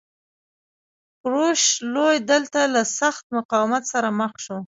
کوروش لوی دلته له سخت مقاومت سره مخ شو